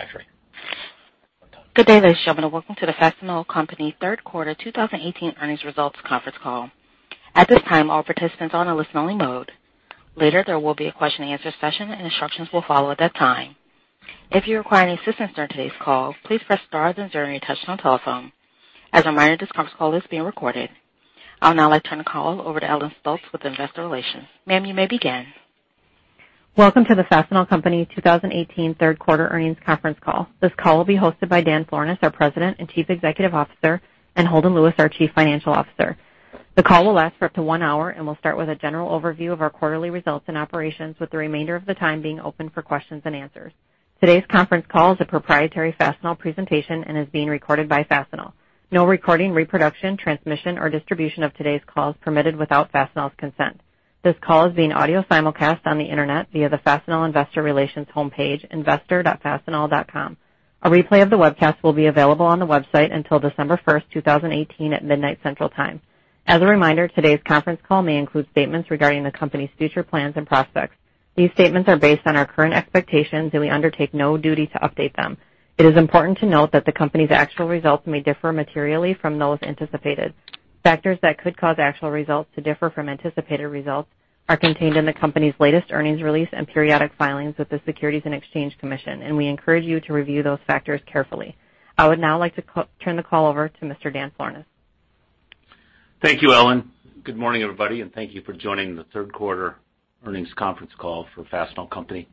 Manufacturing. Good day, ladies and gentlemen. Welcome to the Fastenal Company third quarter 2018 earnings results conference call. At this time, all participants are on a listen-only mode. Later, there will be a question and answer session, and instructions will follow at that time. If you require any assistance during today's call, please press star, then zero on your touch-tone telephone. As a reminder, this conference call is being recorded. I would now like to turn the call over to Ellen Stolts with investor relations. Ma'am, you may begin. Welcome to the Fastenal Company 2018 third quarter earnings conference call. This call will be hosted by Daniel Florness, our President and Chief Executive Officer, and Holden Lewis, our Chief Financial Officer. The call will last for up to one hour and will start with a general overview of our quarterly results and operations, with the remainder of the time being open for questions and answers. Today's conference call is a proprietary Fastenal presentation and is being recorded by Fastenal. No recording, reproduction, transmission, or distribution of today's call is permitted without Fastenal's consent. This call is being audio simulcast on the internet via the Fastenal investor relations homepage, investor.fastenal.com. A replay of the webcast will be available on the website until December 1st, 2018, at midnight central time. As a reminder, today's conference call may include statements regarding the company's future plans and prospects. These statements are based on our current expectations. We undertake no duty to update them. It is important to note that the company's actual results may differ materially from those anticipated. Factors that could cause actual results to differ from anticipated results are contained in the company's latest earnings release and periodic filings with the Securities and Exchange Commission. We encourage you to review those factors carefully. I would now like to turn the call over to Mr. Daniel Florness. Thank you, Ellen. Good morning, everybody. Thank you for joining the third quarter earnings conference call for Fastenal Company.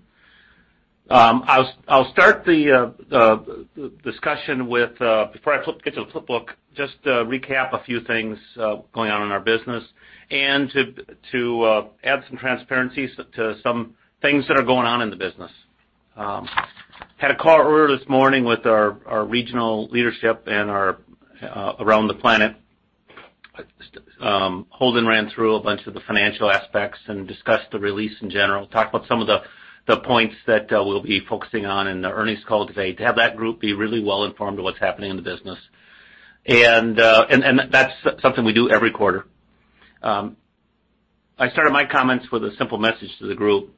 I'll start the discussion with, before I get to the flip book, just to recap a few things going on in our business and to add some transparency to some things that are going on in the business. Had a call earlier this morning with our regional leadership around the planet. Holden ran through a bunch of the financial aspects and discussed the release in general, talked about some of the points that we'll be focusing on in the earnings call today to have that group be really well informed of what's happening in the business. That's something we do every quarter. I started my comments with a simple message to the group.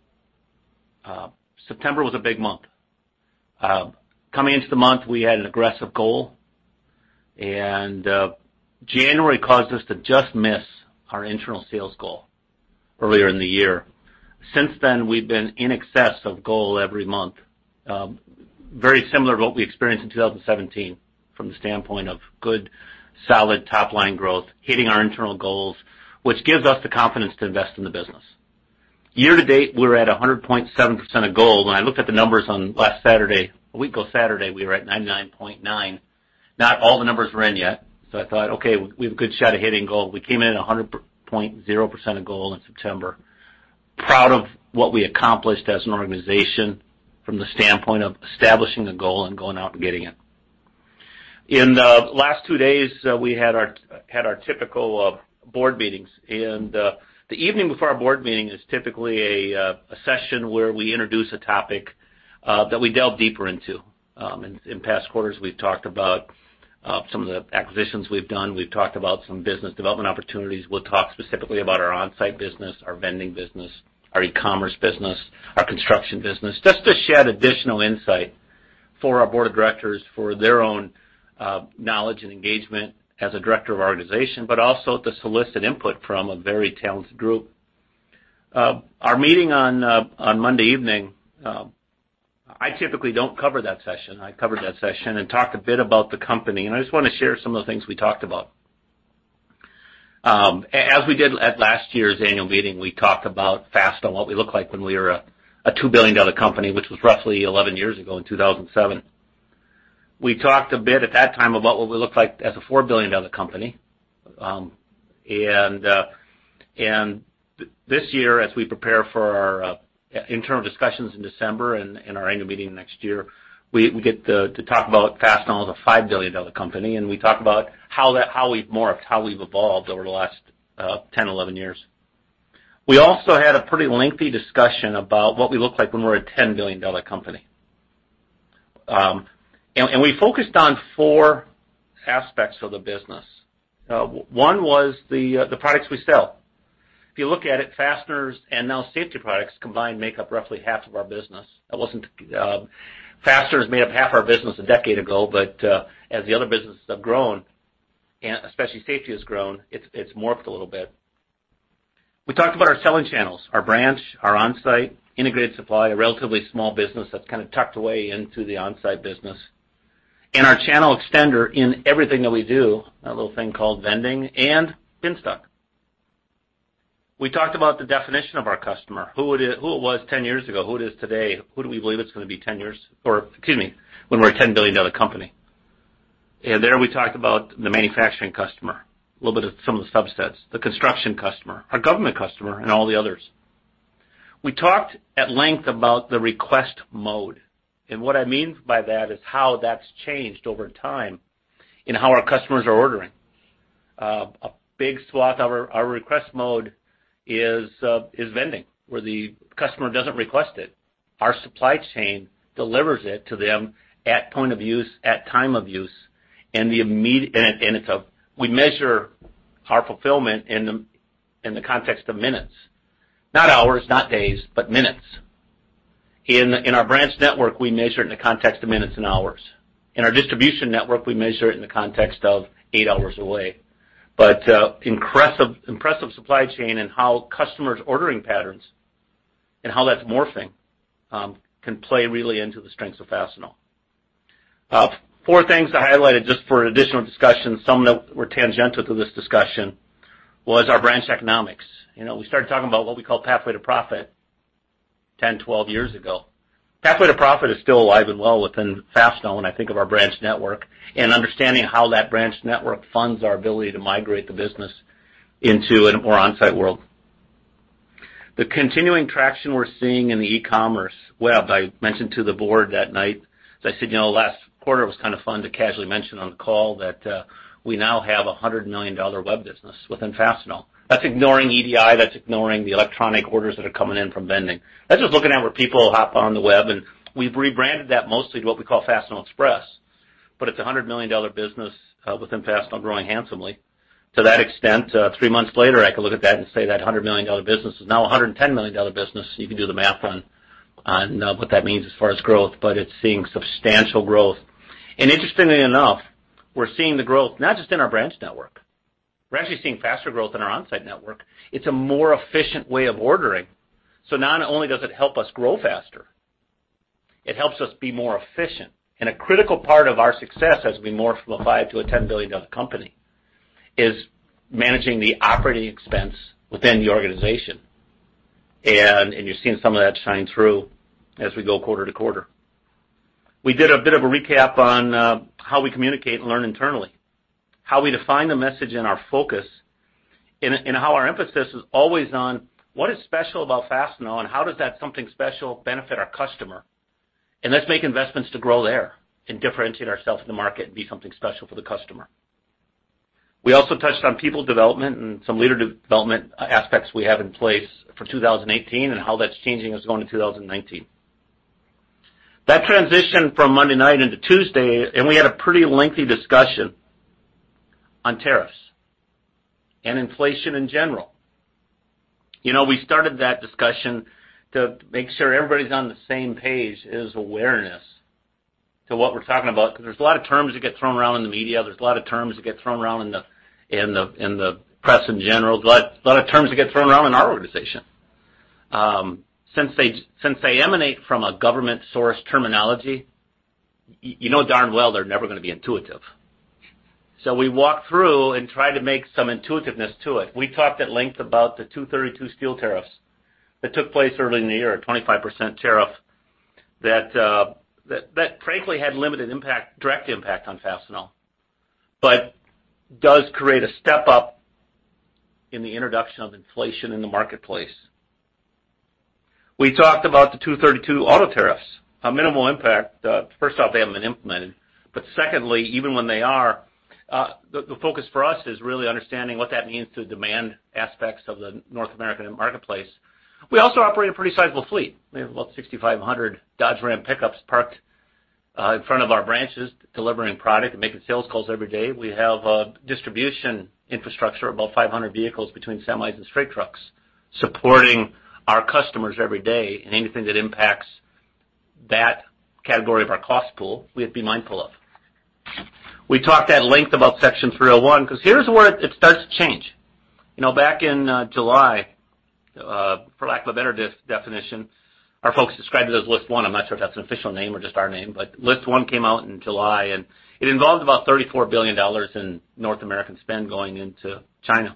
September was a big month. Coming into the month, we had an aggressive goal. January caused us to just miss our internal sales goal earlier in the year. Since then, we've been in excess of goal every month. Very similar to what we experienced in 2017 from the standpoint of good, solid top-line growth, hitting our internal goals, which gives us the confidence to invest in the business. Year-to-date, we're at 100.7% of goal. When I looked at the numbers on last Saturday, a week ago Saturday, we were at 99.9%. Not all the numbers were in yet, I thought, "Okay, we have a good shot of hitting goal." We came in at 100.0% of goal in September. Proud of what we accomplished as an organization from the standpoint of establishing the goal and going out and getting it. In the last two days, we had our typical board meetings. The evening before our board meeting is typically a session where we introduce a topic that we delve deeper into. In past quarters, we've talked about some of the acquisitions we've done. We've talked about some business development opportunities. We'll talk specifically about our on-site business, our vending business, our e-commerce business, our construction business, just to shed additional insight for our board of directors for their own knowledge and engagement as a director of our organization, but also to solicit input from a very talented group. Our meeting on Monday evening, I typically don't cover that session. I covered that session and talked a bit about the company. I just want to share some of the things we talked about. As we did at last year's annual meeting, we talked about Fastenal, what we looked like when we were a $2 billion company, which was roughly 11 years ago in 2007. We talked a bit at that time about what we looked like as a $4 billion company. This year, as we prepare for our internal discussions in December and our annual meeting next year, we get to talk about Fastenal as a $5 billion company. We talk about how we've morphed, how we've evolved over the last 10, 11 years. We also had a pretty lengthy discussion about what we look like when we're a $10 billion company. We focused on four aspects of the business. One was the products we sell. If you look at it, fasteners and now safety products combined make up roughly half of our business. Fasteners made up half our business a decade ago, but as the other businesses have grown, especially safety has grown, it's morphed a little bit. We talked about our selling channels, our branch, our on-site, integrated supply, a relatively small business that's kind of tucked away into the on-site business. Our channel extender in everything that we do, a little thing called vending and FASTStock. We talked about the definition of our customer, who it was 10 years ago, who it is today, who do we believe it's going to be 10 years, or excuse me, when we're a $10 billion company. There we talked about the manufacturing customer, a little bit of some of the subsets, the construction customer, our government customer, and all the others. We talked at length about the request mode, and what I mean by that is how that's changed over time in how our customers are ordering. A big swath of our request mode is vending, where the customer doesn't request it. Our supply chain delivers it to them at point of use, at time of use. We measure our fulfillment in the context of minutes. Not hours, not days, but minutes. In our branch network, we measure it in the context of minutes and hours. In our distribution network, we measure it in the context of 8 hours away. Impressive supply chain and how customers' ordering patterns, and how that's morphing, can play really into the strengths of Fastenal. Four things I highlighted just for additional discussion, some that were tangential to this discussion, was our branch economics. We started talking about what we call Pathway to Profit 10, 12 years ago. Pathway to Profit is still alive and well within Fastenal when I think of our branch network and understanding how that branch network funds our ability to migrate the business into a more on-site world. The continuing traction we're seeing in the e-commerce web. I mentioned to the board that night, as I said, last quarter it was kind of fun to casually mention on the call that we now have a $100 million web business within Fastenal. That's ignoring EDI, that's ignoring the electronic orders that are coming in from vending. That's just looking at where people hop on the web, and we've rebranded that mostly to what we call Fastenal Express. It's a $100 million business within Fastenal, growing handsomely. To that extent, 3 months later, I could look at that and say that $100 million business is now $110 million business. You can do the math on what that means as far as growth, but it's seeing substantial growth. Interestingly enough, we're seeing the growth not just in our branch network. We're actually seeing faster growth in our on-site network. It's a more efficient way of ordering. Not only does it help us grow faster, it helps us be more efficient. A critical part of our success as we morph from a $5 to a $10 billion company is managing the operating expense within the organization. You're seeing some of that shine through as we go quarter to quarter. We did a bit of a recap on how we communicate and learn internally, how we define the message and our focus, and how our emphasis is always on what is special about Fastenal and how does that something special benefit our customer, and let's make investments to grow there and differentiate ourselves in the market and be something special for the customer. We also touched on people development and some leader development aspects we have in place for 2018 and how that's changing as we go into 2019. That transitioned from Monday night into Tuesday. We had a pretty lengthy discussion on tariffs and inflation in general. We started that discussion to make sure everybody's on the same page as awareness to what we're talking about, because there's a lot of terms that get thrown around in the media. There's a lot of terms that get thrown around in the press in general. There's a lot of terms that get thrown around in our organization. Since they emanate from a government source terminology, you know darn well they're never going to be intuitive. We walked through and tried to make some intuitiveness to it. We talked at length about the 232 steel tariffs that took place early in the year, a 25% tariff that frankly had limited direct impact on Fastenal, but does create a step-up in the introduction of inflation in the marketplace. We talked about the 232 auto tariffs, a minimal impact. First off, they haven't been implemented. Secondly, even when they are, the focus for us is really understanding what that means to the demand aspects of the North American marketplace. We also operate a pretty sizable fleet. We have about 6,500 Dodge Ram pickups parked in front of our branches, delivering product and making sales calls every day. We have a distribution infrastructure of about 500 vehicles between semis and straight trucks supporting our customers every day, and anything that impacts that category of our cost pool, we have to be mindful of. We talked at length about Section 301, because here's where it starts to change. Back in July, for lack of a better definition, our folks described it as List 1. I'm not sure if that's an official name or just our name, List 1 came out in July, and it involved about $34 billion in North American spend going into China.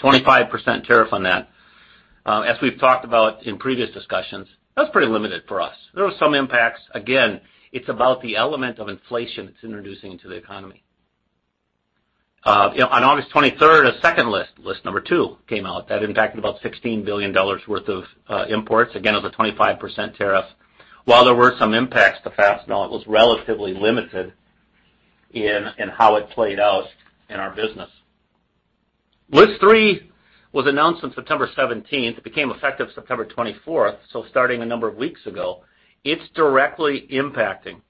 25% tariff on that. As we've talked about in previous discussions, that's pretty limited for us. There were some impacts. Again, it's about the element of inflation it's introducing into the economy. On August 23rd, a second list number 2, came out. That impacted about $16 billion worth of imports. Again, it was a 25% tariff. While there were some impacts to Fastenal, it was relatively limited in how it played out in our business. List 3 was announced on September 17th. It became effective September 24th, so starting a number of weeks ago. It's directly impacting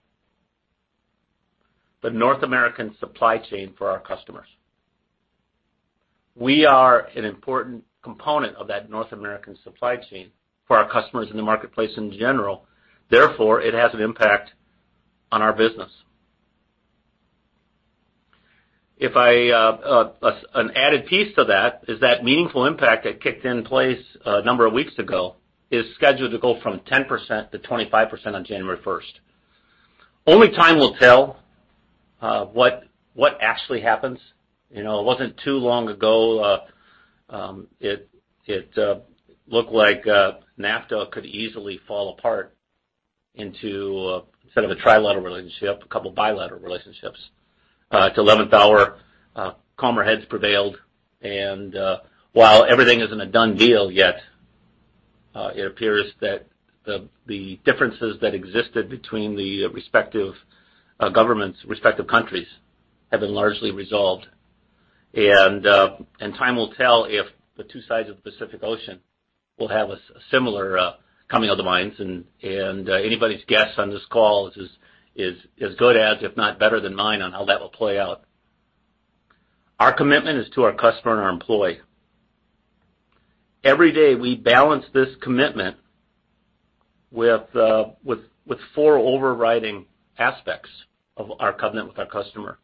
the North American supply chain for our customers. We are an important component of that North American supply chain for our customers in the marketplace in general. Therefore, it has an impact on our business. An added piece to that is that meaningful impact that kicked in place a number of weeks ago is scheduled to go from 10% to 25% on January 1st. Only time will tell what actually happens. It wasn't too long ago it looked like NAFTA could easily fall apart into, instead of a trilateral relationship, a couple bilateral relationships. At the 11th hour, calmer heads prevailed, and while everything isn't a done deal yet, it appears that the differences that existed between the respective governments, respective countries, have been largely resolved. Time will tell if the two sides of the Pacific Ocean will have a similar coming of the minds, and anybody's guess on this call is as good as, if not better than, mine on how that will play out. Our commitment is to our customer and our employee. Every day, we balance this commitment with four overriding aspects of our covenant with our customer.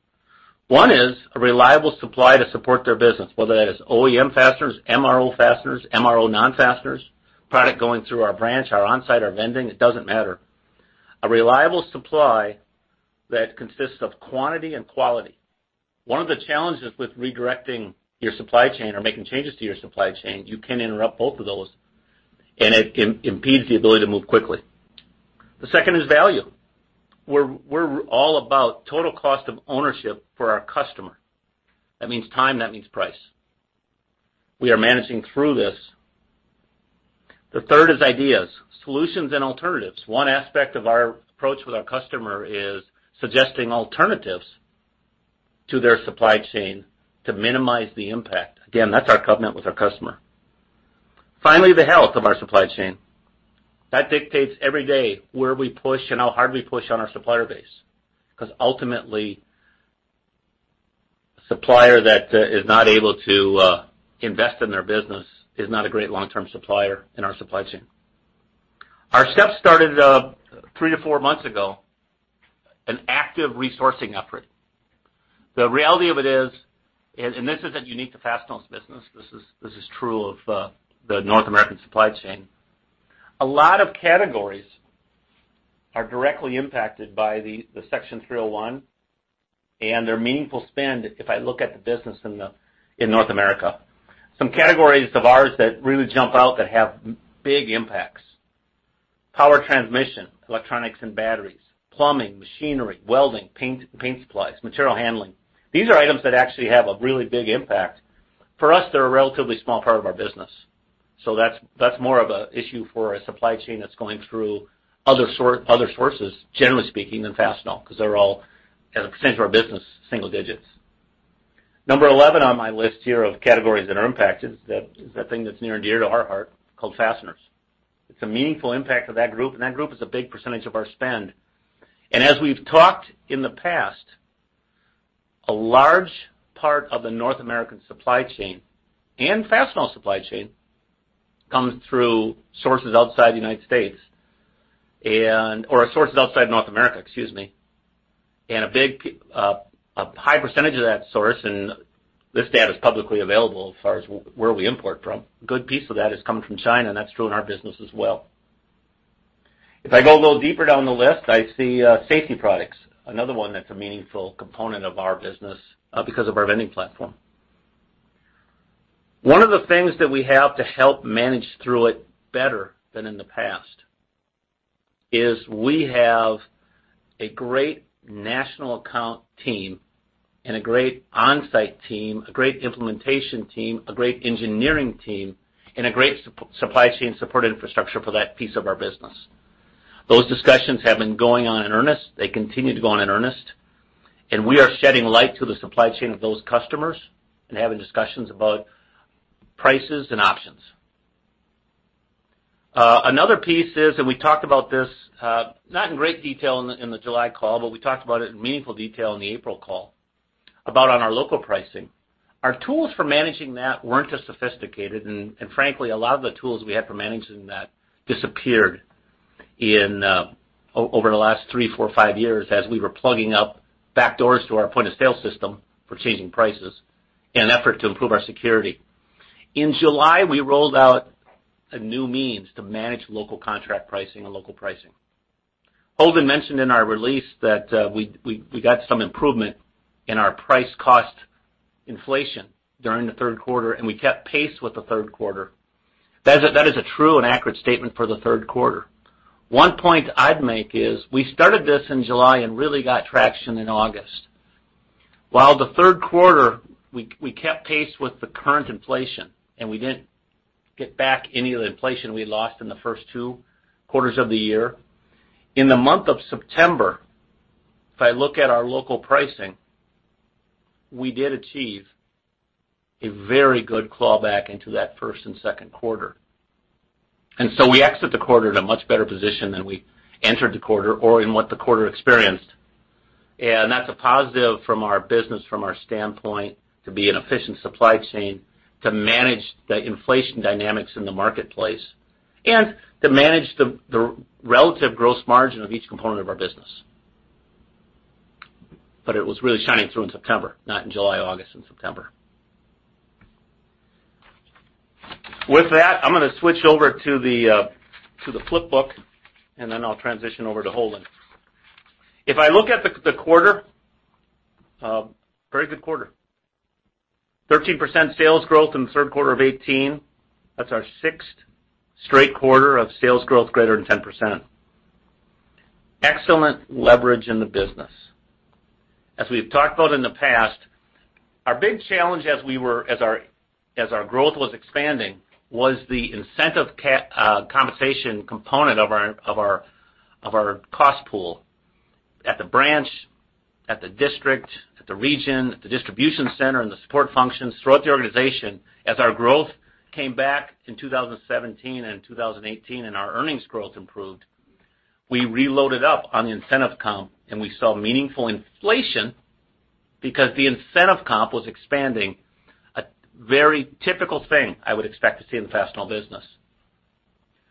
One is a reliable supply to support their business, whether that is OEM fasteners, MRO fasteners, MRO non-fasteners, product going through our branch, our on-site, our vending, it doesn't matter. A reliable supply that consists of quantity and quality. One of the challenges with redirecting your supply chain or making changes to your supply chain, you can interrupt both of those, and it impedes the ability to move quickly. The second is value. We're all about total cost of ownership for our customer. That means time, and that means price. We are managing through this. The third is ideas, solutions, and alternatives. One aspect of our approach with our customer is suggesting alternatives to their supply chain to minimize the impact. Again, that's our covenant with our customer. Finally, the health of our supply chain. That dictates every day where we push and how hard we push on our supplier base. Because ultimately, a supplier that is not able to invest in their business is not a great long-term supplier in our supply chain. Our steps started three to four months ago, an active resourcing effort. The reality of it is, this isn't unique to Fastenal's business, this is true of the North American supply chain. A lot of categories are directly impacted by the Section 301 and their meaningful spend if I look at the business in North America. Some categories of ours that really jump out that have big impacts. Power transmission, electronics and batteries, plumbing, machinery, welding, paint supplies, material handling. These are items that actually have a really big impact. For us, they're a relatively small part of our business. That's more of an issue for a supply chain that's going through other sources, generally speaking, than Fastenal, because they're all, as a percentage of our business, single digits. Number 11 on my list here of categories that are impacted is the thing that's near and dear to our heart, called fasteners. It's a meaningful impact to that group, and that group is a big percentage of our spend. As we've talked in the past, a large part of the North American supply chain and Fastenal supply chain comes through sources outside the United States, or sources outside North America, excuse me. A high percentage of that source, and this data is publicly available as far as where we import from, a good piece of that has come from China, and that's true in our business as well. If I go a little deeper down the list, I see safety products, another one that's a meaningful component of our business because of our vending platform. One of the things that we have to help manage through it better than in the past is we have a great national account team and a great on-site team, a great implementation team, a great engineering team, and a great supply chain support infrastructure for that piece of our business. Those discussions have been going on in earnest. They continue to go on in earnest. We are shedding light to the supply chain of those customers and having discussions about prices and options. Another piece is, and we talked about this, not in great detail in the July call, but we talked about it in meaningful detail in the April call, about on our local pricing. Our tools for managing that weren't as sophisticated, and frankly, a lot of the tools we had for managing that disappeared over the last three, four, five years as we were plugging up back doors to our point-of-sale system for changing prices in an effort to improve our security. In July, we rolled out new means to manage local contract pricing and local pricing. Holden mentioned in our release that we got some improvement in our price cost inflation during the third quarter, and we kept pace with the third quarter. That is a true and accurate statement for the third quarter. One point I'd make is we started this in July and really got traction in August. While in the third quarter, we kept pace with the current inflation, and we didn't get back any of the inflation we lost in the first two quarters of the year. In the month of September, if I look at our local pricing, we did achieve a very good clawback into that first and second quarter. So we exit the quarter in a much better position than we entered the quarter or in what the quarter experienced. That's a positive from our business, from our standpoint, to be an efficient supply chain, to manage the inflation dynamics in the marketplace, and to manage the relative gross margin of each component of our business. It was really shining through in September, not in July, August, and September. With that, I'm going to switch over to the flip book, and then I'll transition over to Holden. If I look at the quarter, a very good quarter. 13% sales growth in the third quarter of 2018. That's our sixth straight quarter of sales growth greater than 10%. Excellent leverage in the business. As we've talked about in the past, our big challenge as our growth was expanding was the incentive compensation component of our cost pool at the branch, at the district, at the region, at the distribution center, and the support functions throughout the organization as our growth came back in 2017 and 2018 and our earnings growth improved. We reloaded up on the incentive comp, and we saw meaningful inflation because the incentive comp was expanding. A very typical thing I would expect to see in the Fastenal business.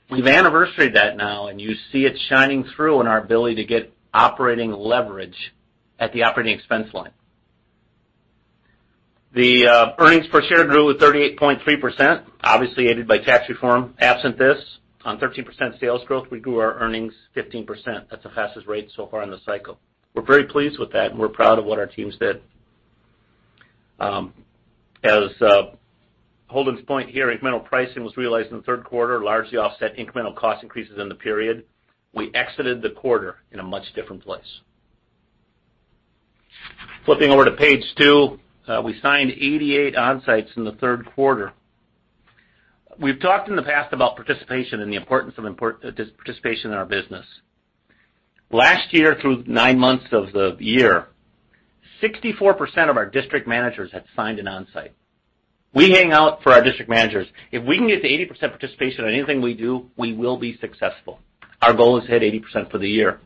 We've anniversaried that now, and you see it shining through in our ability to get operating leverage at the operating expense line. The earnings per share grew 38.3%, obviously aided by tax reform. Absent this, on 13% sales growth, we grew our earnings 15%. That's the fastest rate so far in the cycle. We're very pleased with that, and we're proud of what our teams did. As Holden's point here, incremental pricing was realized in the third quarter, largely offset incremental cost increases in the period. We exited the quarter in a much different place. Flipping over to page two, we signed 88 onsites in the third quarter. We've talked in the past about participation and the importance of participation in our business. Last year, through nine months of the year, 64% of our district managers had signed an onsite. We hang out for our district managers. If we can get to 80% participation on anything we do, we will be successful. Our goal is to hit 80% for the year.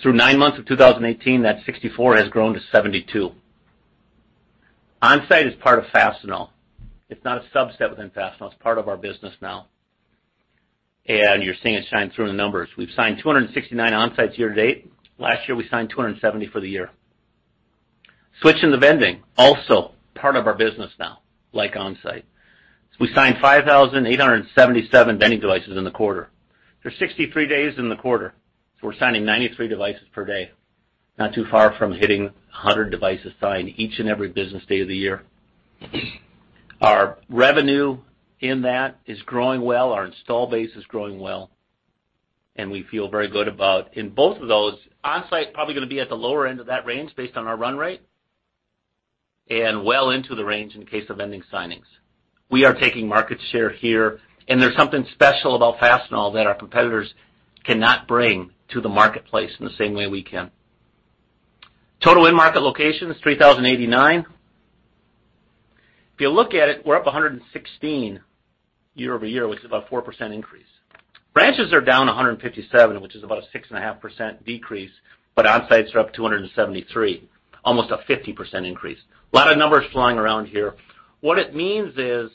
Through nine months of 2018, that 64% has grown to 72%. Onsite is part of Fastenal. It's not a subset within Fastenal. It's part of our business now, you're seeing it shine through in the numbers. We've signed 269 onsites year-to-date. Last year, we signed 270 for the year. Switching to vending, also part of our business now, like onsite. We signed 5,877 vending devices in the quarter. There's 63 days in the quarter, we're signing 93 devices per day, not too far from hitting 100 devices signed each and every business day of the year. Our revenue in that is growing well. Our install base is growing well, we feel very good about, in both of those, onsite probably going to be at the lower end of that range based on our run rate, well into the range in case of vending signings. We are taking market share here, there's something special about Fastenal that our competitors cannot bring to the marketplace in the same way we can. Total in-market locations, 3,089. If you look at it, we're up 116 year-over-year, which is about a 4% increase. Branches are down 157, which is about a 6.5% decrease, onsites are up 273, almost a 50% increase. A lot of numbers flying around here. What it means is,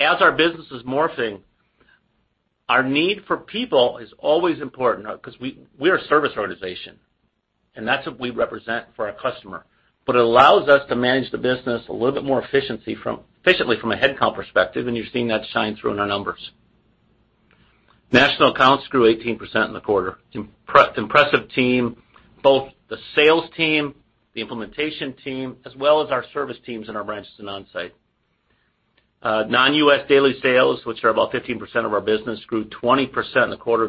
as our business is morphing, our need for people is always important because we're a service organization, that's what we represent for our customer. It allows us to manage the business a little bit more efficiently from a headcount perspective, you're seeing that shine through in our numbers. National accounts grew 18% in the quarter. Impressive team, both the sales team, the implementation team, as well as our service teams in our branches and onsite. Non-U.S. daily sales, which are about 15% of our business, grew 20% in the quarter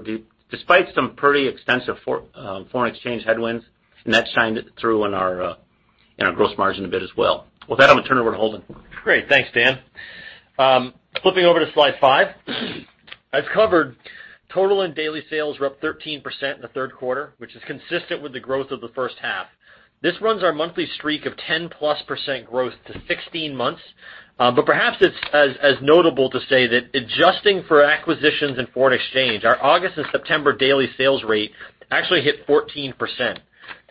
despite some pretty extensive foreign exchange headwinds, that shined through in our gross margin a bit as well. With that, I'm going to turn it over to Holden. Great. Thanks, Dan. Flipping over to slide five. As covered, total and daily sales were up 13% in the third quarter, which is consistent with the growth of the first half. This runs our monthly streak of 10-plus% growth to 16 months. Perhaps it's as notable to say that adjusting for acquisitions and foreign exchange, our August and September daily sales rate actually hit 14%.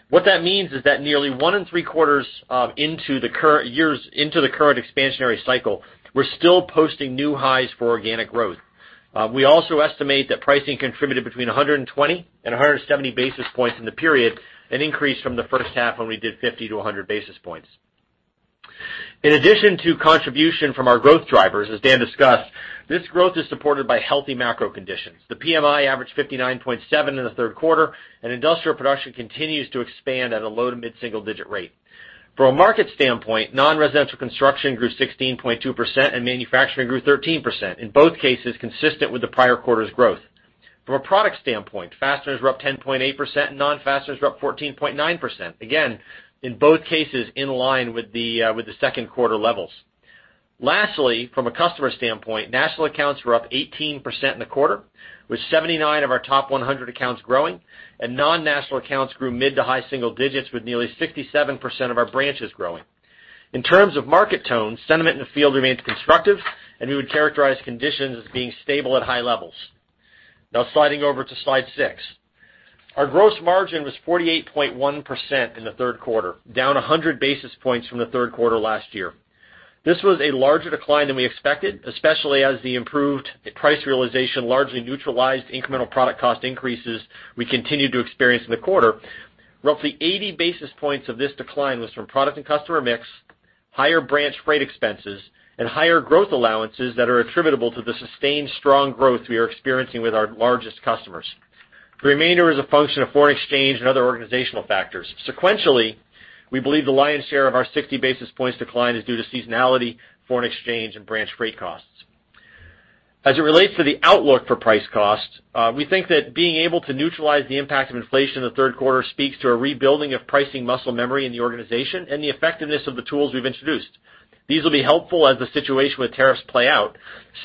What that means is that nearly one in three quarters into the current expansionary cycle, we're still posting new highs for organic growth. We also estimate that pricing contributed between 120 and 170 basis points in the period, an increase from the first half when we did 50 to 100 basis points. In addition to contribution from our growth drivers, as Dan discussed, this growth is supported by healthy macro conditions. The PMI averaged 59.7 in the third quarter, industrial production continues to expand at a low-to-mid single-digit rate. From a market standpoint, non-residential construction grew 16.2%, manufacturing grew 13%, in both cases, consistent with the prior quarter's growth. From a product standpoint, fasteners were up 10.8%, non-fasteners were up 14.9%. In both cases, in line with the second quarter levels. Lastly, from a customer standpoint, national accounts were up 18% in the quarter, with 79 of our top 100 accounts growing, non-national accounts grew mid to high single digits with nearly 67% of our branches growing. In terms of market tone, sentiment in the field remains constructive, we would characterize conditions as being stable at high levels. Sliding over to slide six. Our gross margin was 48.1% in the third quarter, down 100 basis points from the third quarter last year. This was a larger decline than we expected, especially as the improved price realization largely neutralized incremental product cost increases we continued to experience in the quarter. Roughly 80 basis points of this decline was from product and customer mix, higher branch freight expenses, and higher growth allowances that are attributable to the sustained strong growth we are experiencing with our largest customers. The remainder is a function of foreign exchange and other organizational factors. Sequentially, we believe the lion's share of our 60 basis points decline is due to seasonality, foreign exchange, and branch freight costs. It relates to the outlook for price cost, we think that being able to neutralize the impact of inflation in the third quarter speaks to a rebuilding of pricing muscle memory in the organization and the effectiveness of the tools we've introduced. These will be helpful as the situation with tariffs play out.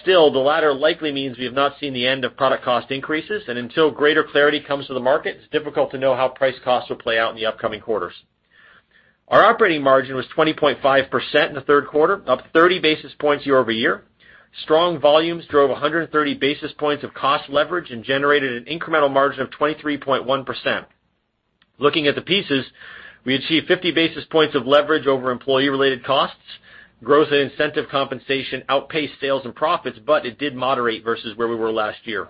The latter likely means we have not seen the end of product cost increases, until greater clarity comes to the market, it's difficult to know how price costs will play out in the upcoming quarters. Our operating margin was 20.5% in the third quarter, up 30 basis points year-over-year. Strong volumes drove 130 basis points of cost leverage and generated an incremental margin of 23.1%. Looking at the pieces, we achieved 50 basis points of leverage over employee-related costs. Growth and incentive compensation outpaced sales and profits, it did moderate versus where we were last year.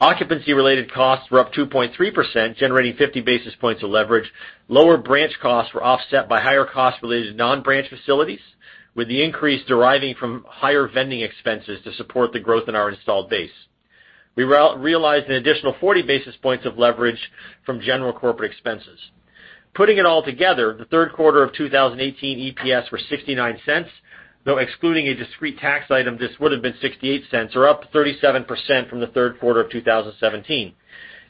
Occupancy-related costs were up 2.3%, generating 50 basis points of leverage. Lower branch costs were offset by higher costs related to non-branch facilities, with the increase deriving from higher vending expenses to support the growth in our installed base. We realized an additional 40 basis points of leverage from general corporate expenses. Putting it all together, the third quarter of 2018 EPS were $0.69, though excluding a discrete tax item, this would have been $0.68, up 37% from the third quarter of 2017.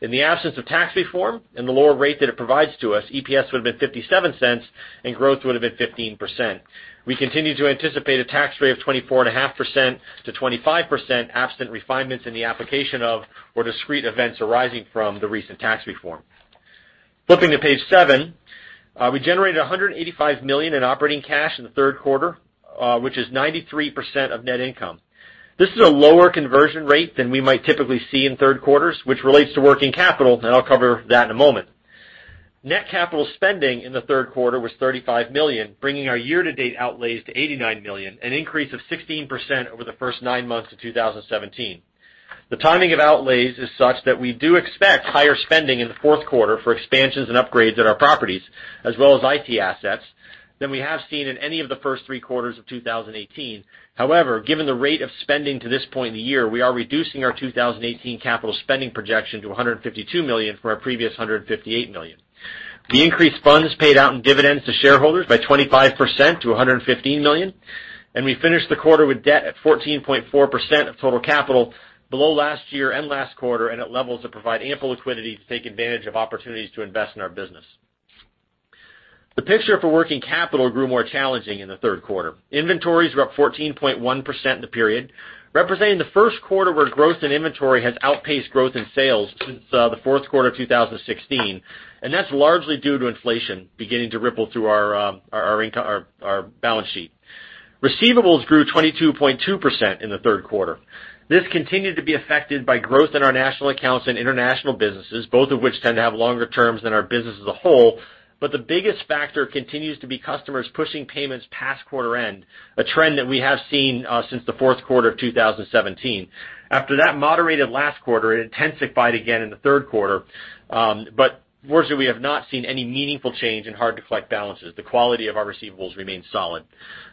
In the absence of tax reform, the lower rate that it provides to us, EPS would have been $0.57, growth would have been 15%. We continue to anticipate a tax rate of 24.5%-25%, absent refinements in the application of, or discrete events arising from, the recent tax reform. Flipping to page seven. We generated $185 million in operating cash in the third quarter, which is 93% of net income. This is a lower conversion rate than we might typically see in third quarters, which relates to working capital, I'll cover that in a moment. Net capital spending in the third quarter was $35 million, bringing our year-to-date outlays to $89 million, an increase of 16% over the first nine months of 2017. The timing of outlays is such that we do expect higher spending in the fourth quarter for expansions and upgrades at our properties, as well as IT assets, than we have seen in any of the first three quarters of 2018. Given the rate of spending to this point in the year, we are reducing our 2018 capital spending projection to $152 million from our previous $158 million. The increased funds paid out in dividends to shareholders by 25% to $115 million. We finished the quarter with debt at 14.4% of total capital below last year and last quarter, and at levels that provide ample liquidity to take advantage of opportunities to invest in our business. The picture for working capital grew more challenging in the third quarter. Inventories were up 14.1% in the period, representing the first quarter where growth in inventory has outpaced growth in sales since the fourth quarter of 2016. That's largely due to inflation beginning to ripple through our balance sheet. Receivables grew 22.2% in the third quarter. This continued to be affected by growth in our national accounts and international businesses, both of which tend to have longer terms than our business as a whole. The biggest factor continues to be customers pushing payments past quarter-end, a trend that we have seen since the fourth quarter of 2017. After that moderated last quarter, it intensified again in the third quarter. Fortunately, we have not seen any meaningful change in hard-to-collect balances. The quality of our receivables remains solid.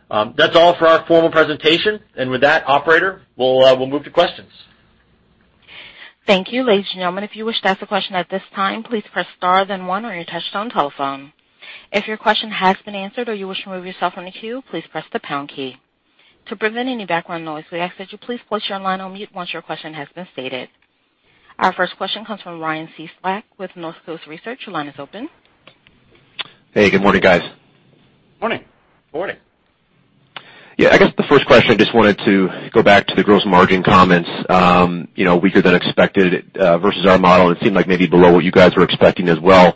That's all for our formal presentation. With that, operator, we'll move to questions. Thank you. Ladies and gentlemen, if you wish to ask a question at this time, please press star, then one on your touchtone telephone. If your question has been answered or you wish to remove yourself from the queue, please press the pound key. To prevent any background noise, we ask that you please place your line on mute once your question has been stated. Our first question comes from Ryan C. Slack with Northcoast Research. Your line is open. Hey, good morning, guys. Morning. Morning. I guess the first question, just wanted to go back to the gross margin comments. Weaker than expected versus our model, and it seemed like maybe below what you guys were expecting as well.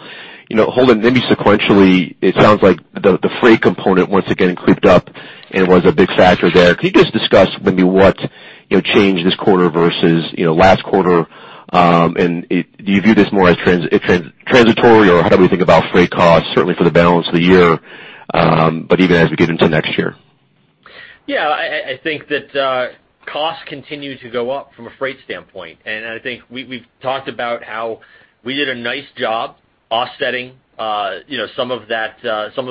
Holden, maybe sequentially, it sounds like the freight component once again creeped up and was a big factor there. Can you just discuss maybe what changed this quarter versus last quarter? Do you view this more as transitory, or how do we think about freight costs, certainly for the balance of the year, but even as we get into next year? I think that costs continue to go up from a freight standpoint. I think we've talked about how we did a nice job offsetting some of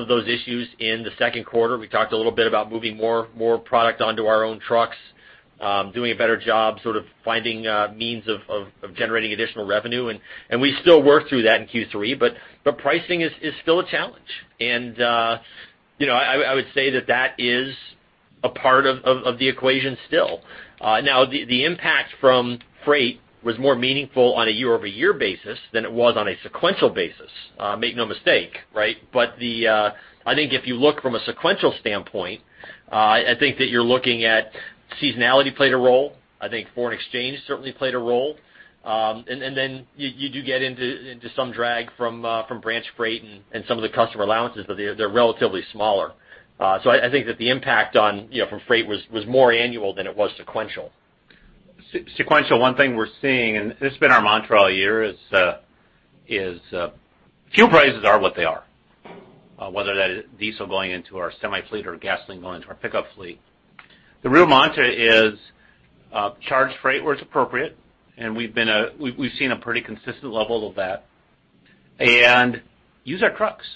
those issues in the second quarter. We talked a little bit about moving more product onto our own trucks, doing a better job sort of finding means of generating additional revenue, we still work through that in Q3, pricing is still a challenge. I would say that that is a part of the equation still. The impact from freight was more meaningful on a year-over-year basis than it was on a sequential basis. Make no mistake, right? I think if you look from a sequential standpoint, I think that you're looking at seasonality played a role. I think foreign exchange certainly played a role. You do get into some drag from branch freight and some of the customer allowances, they're relatively smaller. I think that the impact from freight was more annual than it was sequential. Sequential, one thing we're seeing, and it's been our mantra all year, is fuel prices are what they are, whether that is diesel going into our semi fleet or gasoline going into our pickup fleet. The real mantra is charge freight where it's appropriate, and we've seen a pretty consistent level of that, and use our trucks.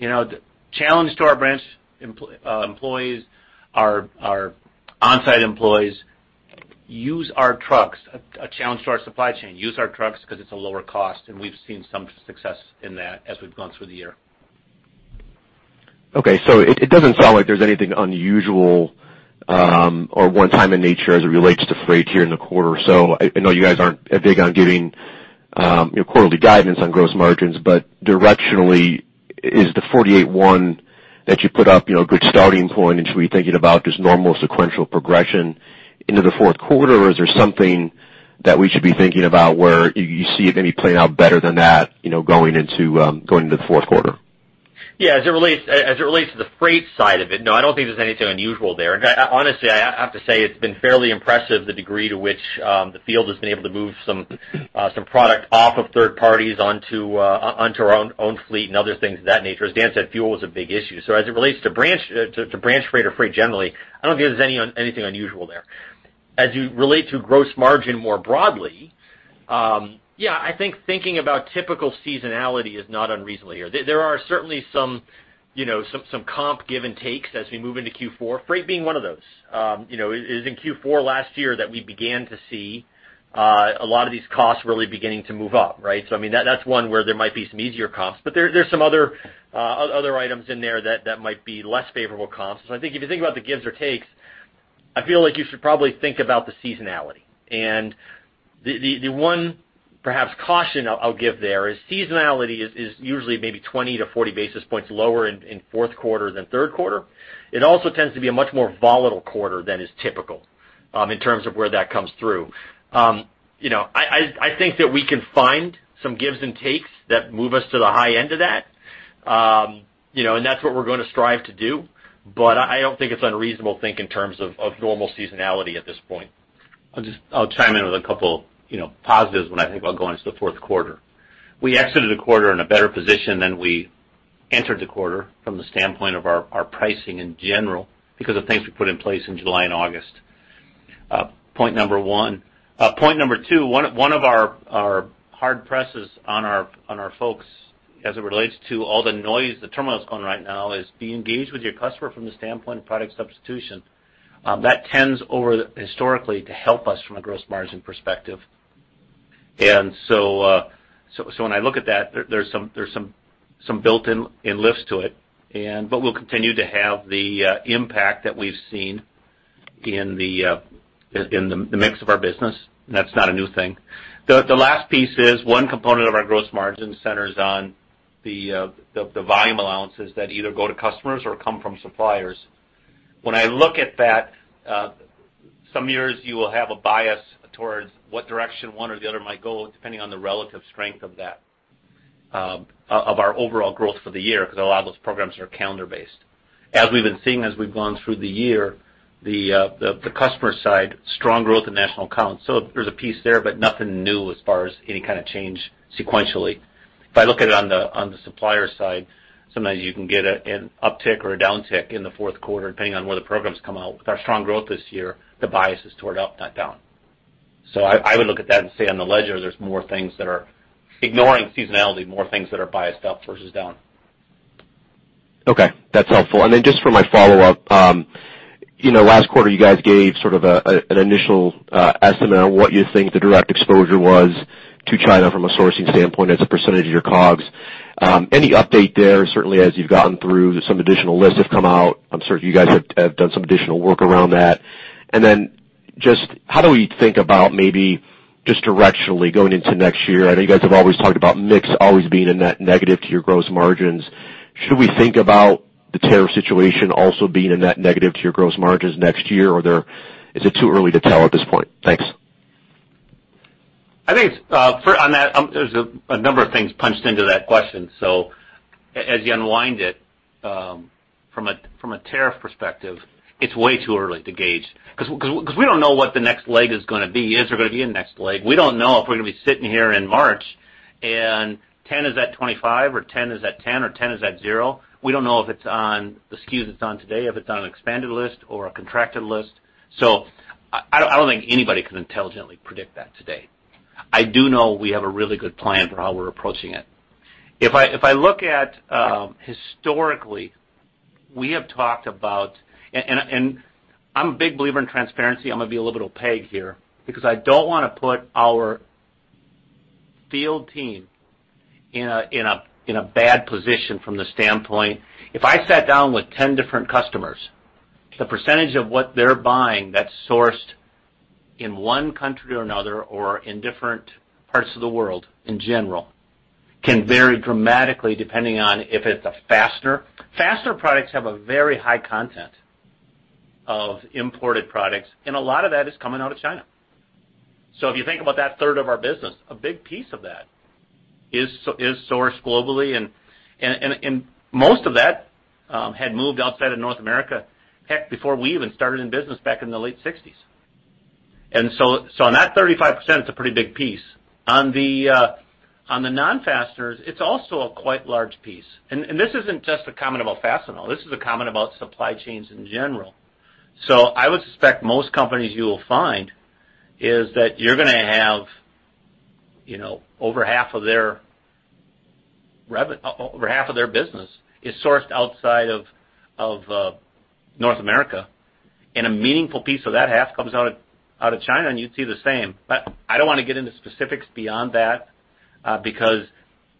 Challenge to our branch employees, our on-site employees, use our trucks. A challenge to our supply chain, use our trucks because it's a lower cost, and we've seen some success in that as we've gone through the year. Okay. It doesn't sound like there's anything unusual or one time in nature as it relates to freight here in the quarter. I know you guys aren't big on giving quarterly guidance on gross margins, but directionally is the 48.1 that you put up a good starting point, and should we be thinking about just normal sequential progression into the fourth quarter, or is there something that we should be thinking about where you see it maybe playing out better than that going into the fourth quarter? Yeah. As it relates to the freight side of it, no, I don't think there's anything unusual there. Honestly, I have to say, it's been fairly impressive the degree to which the field has been able to move some product off of third parties onto our own fleet and other things of that nature. As Dan said, fuel was a big issue. As it relates to branch freight or freight generally, I don't think there's anything unusual there. As you relate to gross margin more broadly, yeah, I think thinking about typical seasonality is not unreasonable here. There are certainly some comp give and takes as we move into Q4, freight being one of those. It was in Q4 last year that we began to see a lot of these costs really beginning to move up, right? That's one where there might be some easier comps. There's some other items in there that might be less favorable comps. I think if you think about the gives or takes, I feel like you should probably think about the seasonality. The one perhaps caution I'll give there is seasonality is usually maybe 20-40 basis points lower in fourth quarter than third quarter. It also tends to be a much more volatile quarter than is typical in terms of where that comes through. I think that we can find some gives and takes that move us to the high end of that. That's what we're going to strive to do. I don't think it's unreasonable to think in terms of normal seasonality at this point. I'll chime in with a couple positives when I think about going into the fourth quarter. We exited the quarter in a better position than we entered the quarter from the standpoint of our pricing in general because of things we put in place in July and August. Point number one. Point number two, one of our hard presses on our folks as it relates to all the noise, the turmoil that's going on right now is be engaged with your customer from the standpoint of product substitution. That tends historically to help us from a gross margin perspective. When I look at that, there's some built-in lifts to it. We'll continue to have the impact that we've seen in the mix of our business, and that's not a new thing. The last piece is one component of our gross margin centers on the volume allowances that either go to customers or come from suppliers. When I look at that, some years you will have a bias towards what direction one or the other might go, depending on the relative strength of our overall growth for the year, because a lot of those programs are calendar-based. As we've been seeing as we've gone through the year, the customer side, strong growth in national accounts. There's a piece there, but nothing new as far as any kind of change sequentially. If I look at it on the supplier side, sometimes you can get an uptick or a downtick in the fourth quarter, depending on where the programs come out. With our strong growth this year, the bias is toward up, not down. I would look at that and say on the ledger, ignoring seasonality, more things that are biased up versus down. Okay. That's helpful. Just for my follow-up, last quarter you guys gave sort of an initial estimate on what you think the direct exposure was to China from a sourcing standpoint as a percentage of your COGS. Any update there? Certainly as you've gotten through, some additional lists have come out. I'm certain you guys have done some additional work around that. Just how do we think about maybe just directionally going into next year? I know you guys have always talked about mix always being a net negative to your gross margins. Should we think about the tariff situation also being a net negative to your gross margins next year, or is it too early to tell at this point? Thanks. As you unwind it, from a tariff perspective, it's way too early to gauge because we don't know what the next leg is going to be. Is there going to be a next leg? We don't know if we're going to be sitting here in March and 10 is at 25 or 10 is at 10 or 10 is at zero. We don't know if it's on the SKUs it's on today, if it's on an expanded list or a contracted list. I don't think anybody can intelligently predict that today. I do know we have a really good plan for how we're approaching it. If I look at historically, we have talked about, and I'm a big believer in transparency. I'm going to be a little bit opaque here because I don't want to put our field team in a bad position from the standpoint. If I sat down with 10 different customers, the percentage of what they're buying that's sourced in one country or another or in different parts of the world in general can vary dramatically depending on if it's a fastener. Fastener products have a very high content of imported products, and a lot of that is coming out of China. If you think about that third of our business, a big piece of that is sourced globally, and most of that had moved outside of North America, heck, before we even started in business back in the late 1960s. On that 35%, it's a pretty big piece. On the non-fasteners, it's also a quite large piece. This isn't just a comment about Fastenal, this is a comment about supply chains in general. I would suspect most companies you will find is that you're going to have over half of their business is sourced outside of North America, and a meaningful piece of that half comes out of China, and you'd see the same. I don't want to get into specifics beyond that because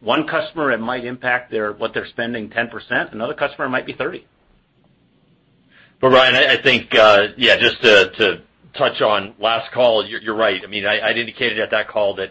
one customer, it might impact what they're spending 10%, another customer it might be 30%. Ryan, I think just to touch on last call, you're right. I indicated at that call that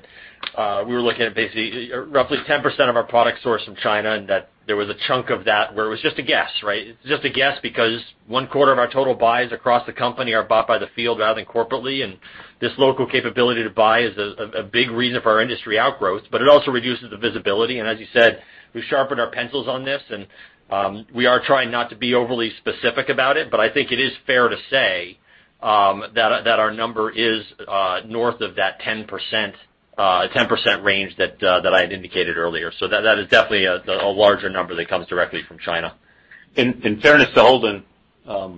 we were looking at basically roughly 10% of our product source from China, and that there was a chunk of that where it was just a guess, right? It's just a guess because one quarter of our total buys across the company are bought by the field rather than corporately, and this local capability to buy is a big reason for our industry outgrowth, but it also reduces the visibility. As you said, we've sharpened our pencils on this and we are trying not to be overly specific about it, but I think it is fair to say that our number is north of that 10% range that I had indicated earlier. That is definitely a larger number that comes directly from China. In fairness to Holden, I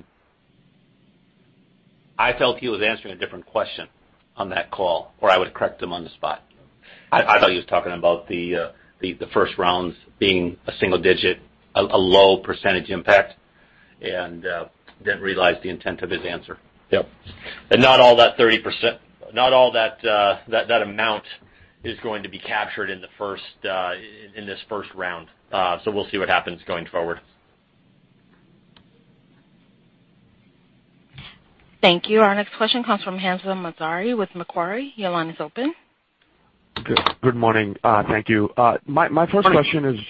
felt he was answering a different question on that call, or I would've correct him on the spot. I thought he was talking about the first rounds being a single digit, a low percentage impact, and didn't realize the intent of his answer. Yep. Not all that amount is going to be captured in this first round. We'll see what happens going forward. Thank you. Our next question comes from Hamzah Mazari with Macquarie. Your line is open. Good morning. Thank you. Morning.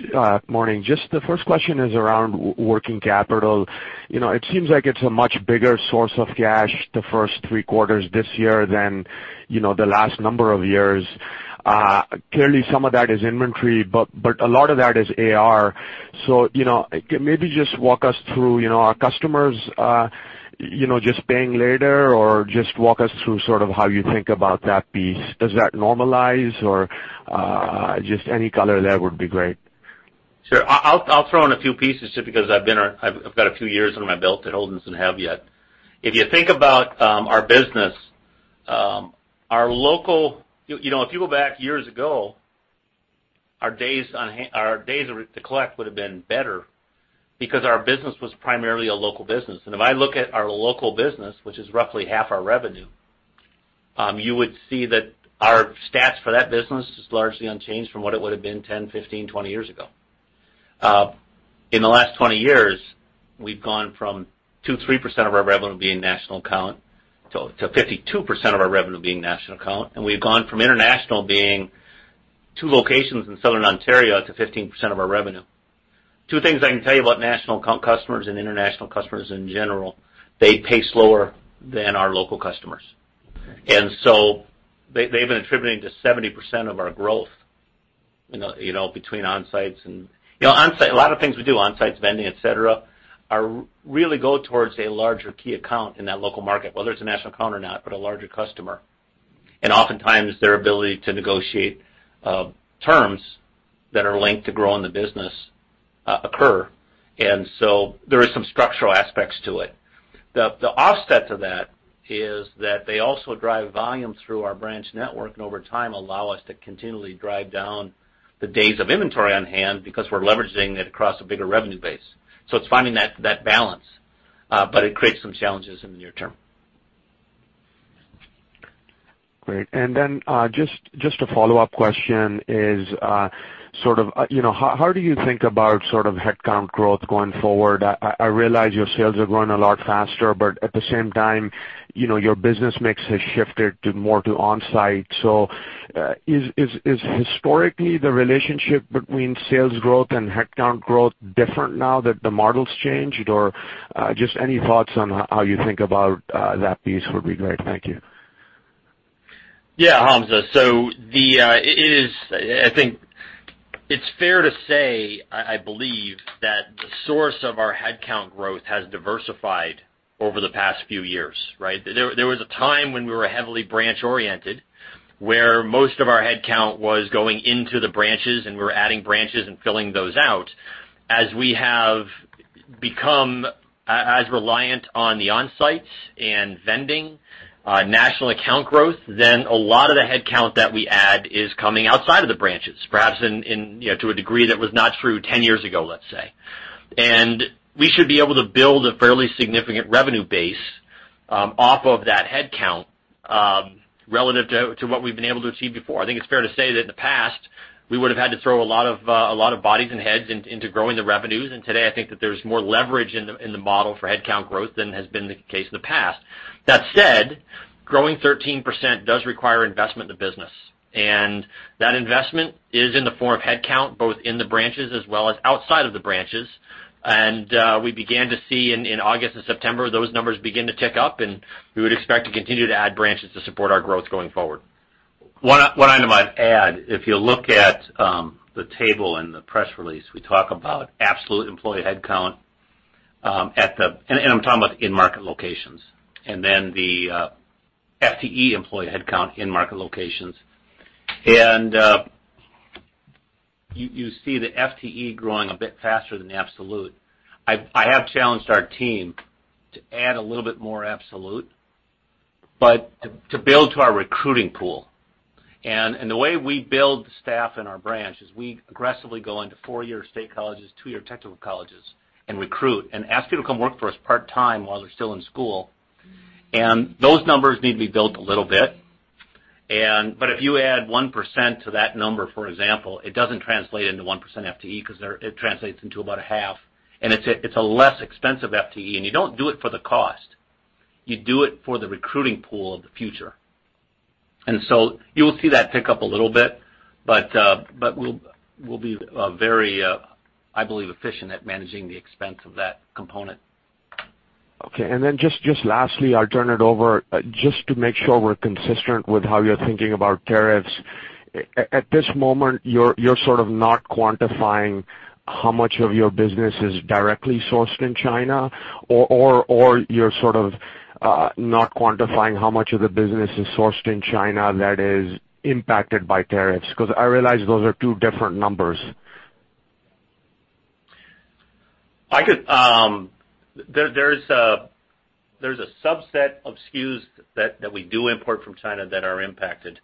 Morning. Just the first question is around working capital. It seems like it's a much bigger source of cash the first three quarters this year than the last number of years. Clearly, some of that is inventory, but a lot of that is AR. Maybe just walk us through, are customers just paying later? Just walk us through sort of how you think about that piece. Does that normalize? Just any color there would be great. Sure. I'll throw in a few pieces just because I've got a few years under my belt that Holden doesn't have yet. If you think about our business, if you go back years ago, our days to collect would've been better because our business was primarily a local business. If I look at our local business, which is roughly half our revenue, you would see that our stats for that business is largely unchanged from what it would've been 10, 15, 20 years ago. In the last 20 years, we've gone from 2%, 3% of our revenue being national account to 52% of our revenue being national account. We've gone from international being two locations in Southern Ontario to 15% of our revenue. Two things I can tell you about national customers and international customers in general, they pay slower than our local customers. They've been attributing to 70% of our growth between on-sites and A lot of things we do, on-sites, vending, et cetera, really go towards a larger key account in that local market, whether it's a national account or not, but a larger customer. Oftentimes their ability to negotiate terms that are linked to growing the business occur. There are some structural aspects to it. The offset to that is that they also drive volume through our branch network, and over time allow us to continually drive down the days of inventory on hand because we're leveraging it across a bigger revenue base. It's finding that balance. It creates some challenges in the near term. Great. Just a follow-up question is how do you think about sort of headcount growth going forward? I realize your sales are growing a lot faster, but at the same time, your business mix has shifted more to on-site. Is historically the relationship between sales growth and headcount growth different now that the model's changed? Just any thoughts on how you think about that piece would be great. Thank you. Yeah, Hamza. I think it's fair to say, I believe, that the source of our headcount growth has diversified over the past few years, right? There was a time when we were heavily branch oriented, where most of our headcount was going into the branches, and we were adding branches and filling those out. As we have become as reliant on the on-sites and vending national account growth, then a lot of the headcount that we add is coming outside of the branches, perhaps to a degree that was not true 10 years ago, let's say. We should be able to build a fairly significant revenue base off of that headcount, relative to what we've been able to achieve before. I think it's fair to say that in the past we would've had to throw a lot of bodies and heads into growing the revenues. Today, I think that there's more leverage in the model for headcount growth than has been the case in the past. That said, growing 13% does require investment in the business, and that investment is in the form of headcount, both in the branches as well as outside of the branches. We began to see in August and September, those numbers begin to tick up, and we would expect to continue to add branches to support our growth going forward. One item I'd add, if you look at the table in the press release, we talk about absolute employee headcount at the. I'm talking about in-market locations. Then the FTE employee headcount in market locations. You see the FTE growing a bit faster than the absolute. I have challenged our team to add a little bit more absolute, but to build to our recruiting pool. The way we build staff in our branch is we aggressively go into four-year state colleges, two-year technical colleges, and recruit and ask people to come work for us part-time while they're still in school. Those numbers need to be built a little bit. If you add 1% to that number, for example, it doesn't translate into 1% FTE because it translates into about a half, and it's a less expensive FTE. You don't do it for the cost. You do it for the recruiting pool of the future. You will see that tick up a little bit, but we'll be very, I believe, efficient at managing the expense of that component. Okay, just lastly, I'll turn it over, just to make sure we're consistent with how you're thinking about tariffs. At this moment, you're sort of not quantifying how much of your business is directly sourced in China, or you're sort of not quantifying how much of the business is sourced in China that is impacted by tariffs, because I realize those are two different numbers. There's a subset of SKUs that we do import from China that are impacted.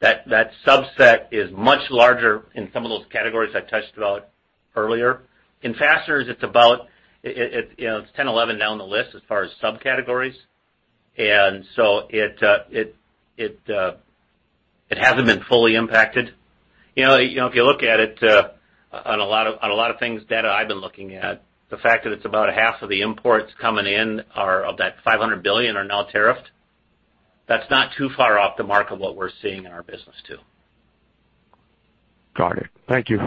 That subset is much larger in some of those categories I touched about earlier. In fasteners, it's 10 or 11 down the list as far as subcategories, it hasn't been fully impacted. If you look at it on a lot of things, data I've been looking at, the fact that it's about half of the imports coming in of that $500 billion are now tariffed, that's not too far off the mark of what we're seeing in our business too. Got it. Thank you.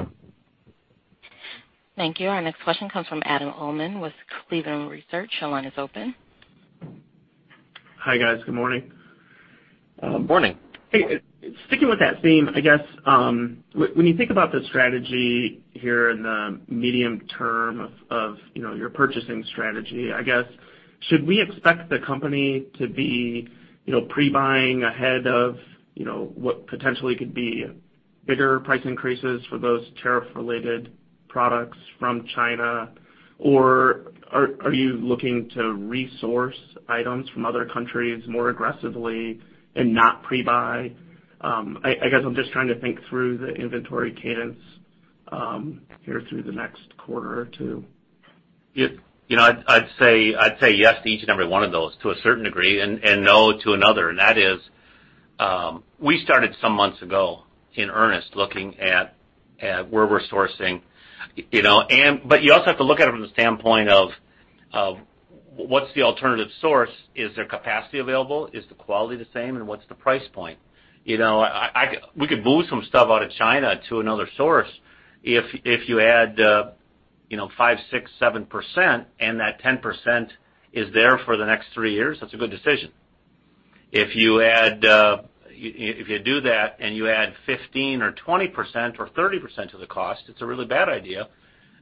Thank you. Our next question comes from Adam Uhlman with Cleveland Research. Your line is open. Hi, guys. Good morning. Morning. Hey, sticking with that theme, I guess, when you think about the strategy here in the medium term of your purchasing strategy, I guess, should we expect the company to be pre-buying ahead of what potentially could be bigger price increases for those tariff related products from China? Or are you looking to resource items from other countries more aggressively and not pre-buy? I guess I'm just trying to think through the inventory cadence here through the next quarter or two. I'd say yes to each and every one of those to a certain degree and no to another. That is, we started some months ago in earnest looking at where we're sourcing. You also have to look at it from the standpoint of what's the alternative source? Is there capacity available? Is the quality the same? What's the price point? We could move some stuff out of China to another source. If you add 5%, 6%, 7% and that 10% is there for the next three years, that's a good decision. If you do that and you add 15% or 20% or 30% to the cost, it's a really bad idea.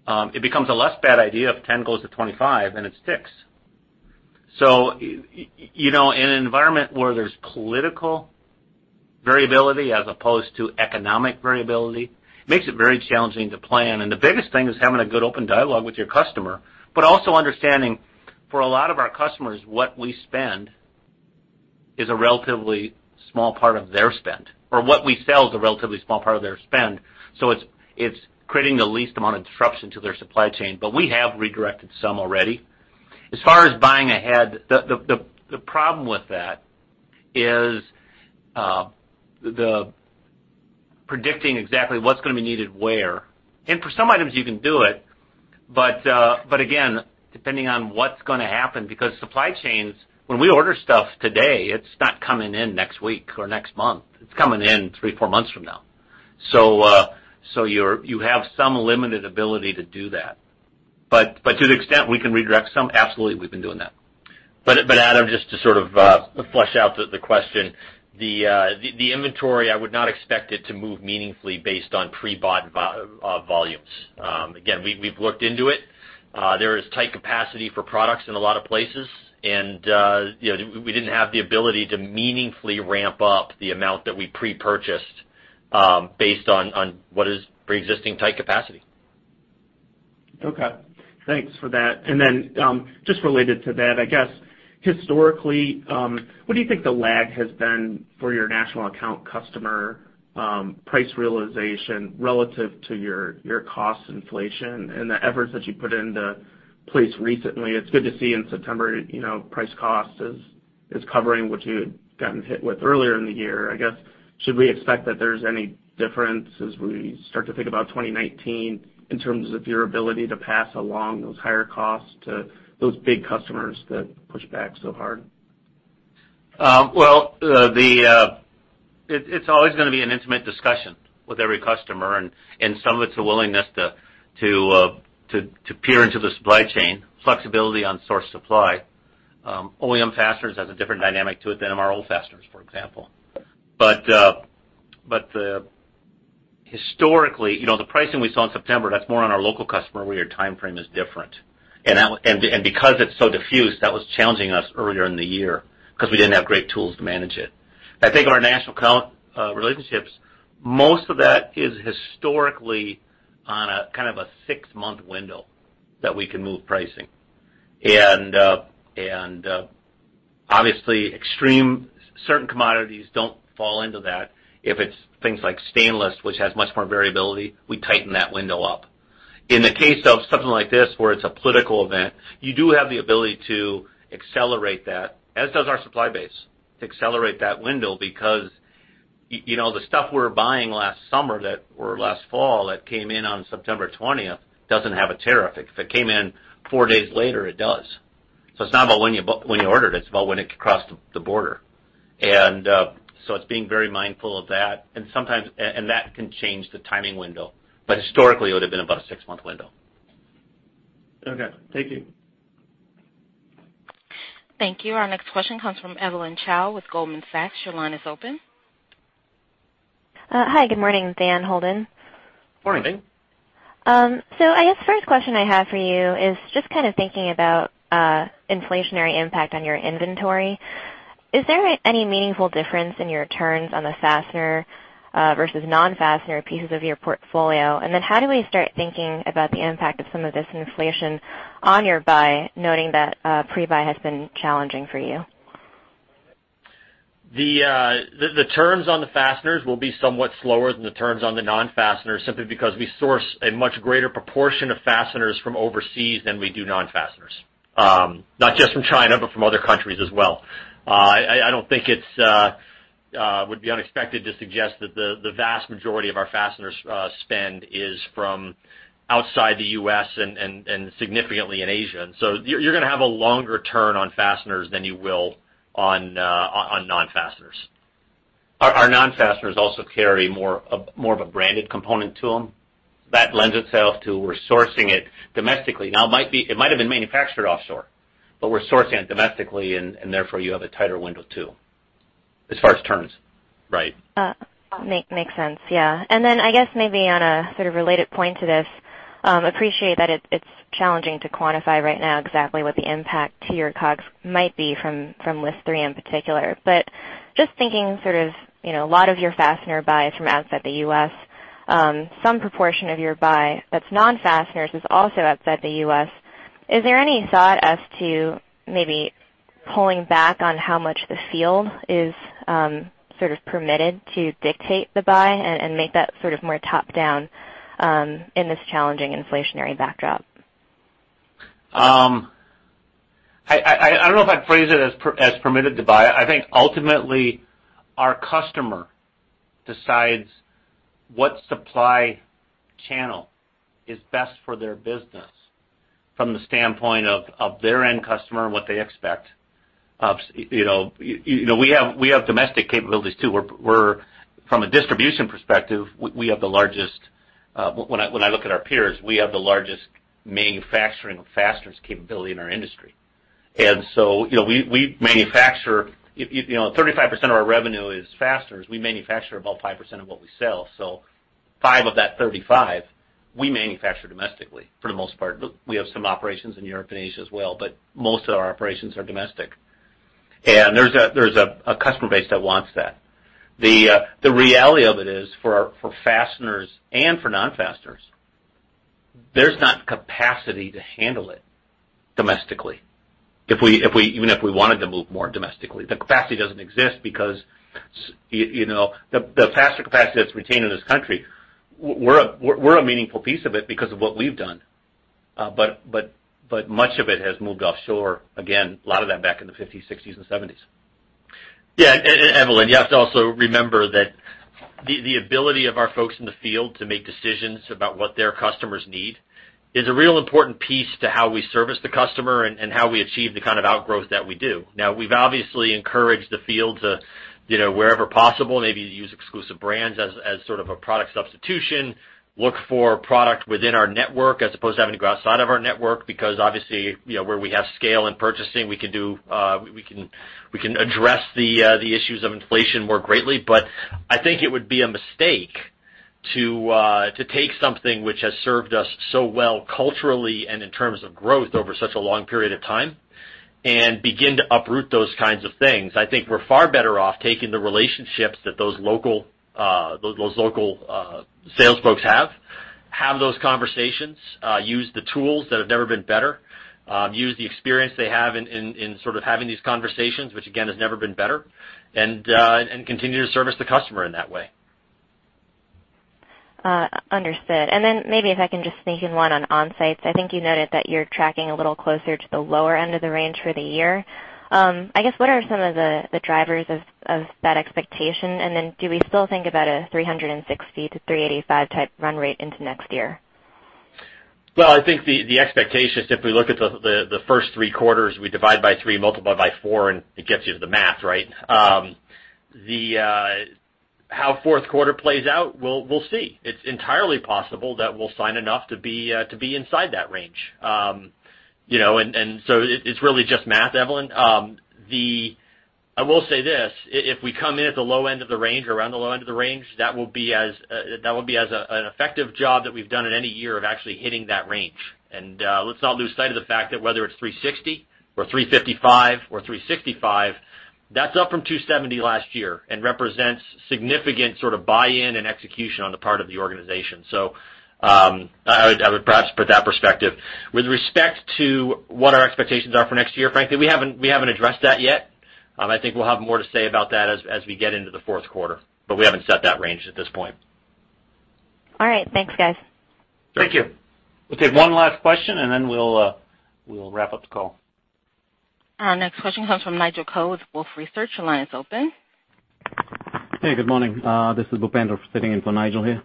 It becomes a less bad idea if 10 goes to 25 and it sticks. In an environment where there's political variability as opposed to economic variability, makes it very challenging to plan. The biggest thing is having a good open dialogue with your customer. Also understanding, for a lot of our customers, what we spend is a relatively small part of their spend, or what we sell is a relatively small part of their spend. It's creating the least amount of disruption to their supply chain. We have redirected some already. As far as buying ahead, the problem with that is predicting exactly what's going to be needed where. For some items you can do it, but again, depending on what's going to happen, because supply chains, when we order stuff today, it's not coming in next week or next month. It's coming in three, four months from now. You have some limited ability to do that. To the extent we can redirect some, absolutely, we've been doing that. Adam, just to sort of flush out the question. The inventory, I would not expect it to move meaningfully based on pre-bought volumes. Again, we've looked into it. There is tight capacity for products in a lot of places, and we didn't have the ability to meaningfully ramp up the amount that we pre-purchased based on what is preexisting tight capacity. Okay. Thanks for that. Just related to that, I guess historically, what do you think the lag has been for your national account customer price realization relative to your cost inflation and the efforts that you put into place recently? It's good to see in September, price cost is covering what you had gotten hit with earlier in the year. I guess, should we expect that there's any difference as we start to think about 2019 in terms of your ability to pass along those higher costs to those big customers that push back so hard? Well, it's always going to be an intimate discussion with every customer, and some of it's a willingness to peer into the supply chain, flexibility on source supply. OEM fasteners has a different dynamic to it than MRO fasteners, for example. Historically, the pricing we saw in September, that's more on our local customer where your timeframe is different. Because it's so diffused, that was challenging us earlier in the year because we didn't have great tools to manage it. I think our national account relationships, most of that is historically on a kind of a six-month window that we can move pricing. Obviously, certain commodities don't fall into that. If it's things like stainless, which has much more variability, we tighten that window up. In the case of something like this, where it's a political event, you do have the ability to accelerate that, as does our supply base, to accelerate that window because. The stuff we were buying last summer or last fall that came in on September 20th doesn't have a tariff. If it came in four days later, it does. It's not about when you ordered it's about when it crossed the border. It's being very mindful of that, and that can change the timing window. Historically, it would've been about a six-month window. Okay. Thank you. Thank you. Our next question comes from Evelyn Chow with Goldman Sachs. Your line is open. Hi, good morning there Holden. Morning. I guess first question I have for you is just kind of thinking about inflationary impact on your inventory. Is there any meaningful difference in your turns on the fastener versus non-fastener pieces of your portfolio? How do we start thinking about the impact of some of this inflation on your buy, noting that pre-buy has been challenging for you? The turns on the fasteners will be somewhat slower than the turns on the non-fasteners, simply because we source a much greater proportion of fasteners from overseas than we do non-fasteners. Not just from China, but from other countries as well. I don't think it would be unexpected to suggest that the vast majority of our fastener spend is from outside the U.S. and significantly in Asia. You're going to have a longer turn on fasteners than you will on non-fasteners. Our non-fasteners also carry more of a branded component to them. That lends itself to we're sourcing it domestically. Now, it might have been manufactured offshore, but we're sourcing it domestically, and therefore, you have a tighter window, too, as far as turns. Makes sense. I guess maybe on a sort of related point to this, appreciate that it's challenging to quantify right now exactly what the impact to your COGS might be from List Three in particular. Just thinking sort of a lot of your fastener buy is from outside the U.S. Some proportion of your buy that's non-fasteners is also outside the U.S. Is there any thought as to maybe pulling back on how much the field is sort of permitted to dictate the buy and make that sort of more top-down in this challenging inflationary backdrop? I don't know if I'd phrase it as permitted to buy. I think ultimately our customer decides what supply channel is best for their business from the standpoint of their end customer and what they expect. We have domestic capabilities, too. From a distribution perspective, when I look at our peers, we have the largest manufacturing of fasteners capability in our industry. 35% of our revenue is fasteners. We manufacture about 5% of what we sell. 5 of that 35, we manufacture domestically for the most part. We have some operations in Europe and Asia as well, but most of our operations are domestic. There's a customer base that wants that. The reality of it is, for fasteners and for non-fasteners, there's not capacity to handle it domestically. Even if we wanted to move more domestically, the capacity doesn't exist because the Fastener capacity that's retained in this country, we're a meaningful piece of it because of what we've done. Much of it has moved offshore, again, a lot of that back in the '50s, '60s, and '70s. Evelyn, you have to also remember that the ability of our folks in the field to make decisions about what their customers need is a real important piece to how we service the customer and how we achieve the kind of outgrowth that we do. We've obviously encouraged the field to, wherever possible, maybe use exclusive brands as sort of a product substitution, look for product within our network as opposed to having to go outside of our network, because obviously, where we have scale and purchasing, we can address the issues of inflation more greatly. I think it would be a mistake to take something which has served us so well culturally and in terms of growth over such a long period of time and begin to uproot those kinds of things. I think we're far better off taking the relationships that those local sales folks have those conversations, use the tools that have never been better, use the experience they have in sort of having these conversations, which again, has never been better, and continue to service the customer in that way. Understood. Maybe if I can just sneak in one on on-sites. I think you noted that you're tracking a little closer to the lower end of the range for the year. I guess, what are some of the drivers of that expectation? Do we still think about a 360 to 385 type run rate into next year? I think the expectation is if we look at the first three quarters, we divide by three, multiply by four, and it gets you to the math, right? How fourth quarter plays out, we'll see. It's entirely possible that we'll sign enough to be inside that range. It's really just math, Evelyn. I will say this, if we come in at the low end of the range, around the low end of the range, that will be as an effective job that we've done in any year of actually hitting that range. Let's not lose sight of the fact that whether it's 360 or 355 or 365, that's up from 270 last year and represents significant sort of buy-in and execution on the part of the organization. So, I would perhaps put that perspective. With respect to what our expectations are for next year, frankly, we haven't addressed that yet. I think we'll have more to say about that as we get into the fourth quarter, but we haven't set that range at this point. All right, thanks guys. Thank you. We'll take one last question, and then we'll wrap up the call. Our next question comes from Nigel Coe with Wolfe Research. Your line is open. Hey, good morning. This is Bhupender sitting in for Nigel here.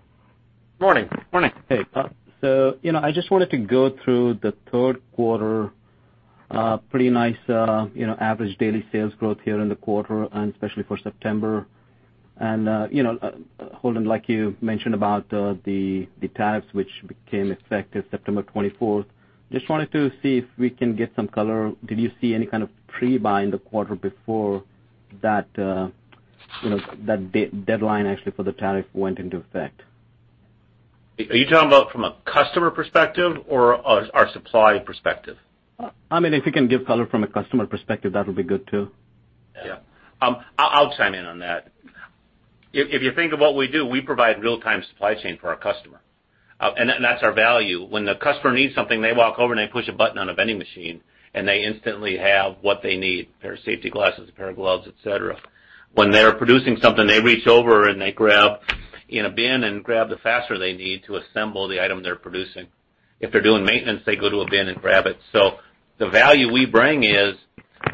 Morning. Morning. Hey. I just wanted to go through the third quarter, pretty nice average daily sales growth here in the quarter and especially for September. Holden, like you mentioned about the tariffs which became effective September 24th, just wanted to see if we can get some color. Did you see any kind of pre-buy in the quarter before that deadline actually for the tariff went into effect? Are you talking about from a customer perspective or our supply perspective? If you can give color from a customer perspective, that'll be good too. Yeah. I'll chime in on that. If you think of what we do, we provide real-time supply chain for our customer. That's our value. When the customer needs something, they walk over and they push a button on a vending machine, they instantly have what they need, a pair of safety glasses, a pair of gloves, et cetera. When they're producing something, they reach over and they grab a bin and grab the fastener they need to assemble the item they're producing. If they're doing maintenance, they go to a bin and grab it. The value we bring is